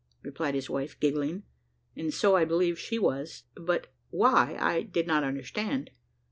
replied his wife, giggling; and so I believe she was, but why I did not understand.